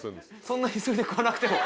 そんな急いで食わなくても。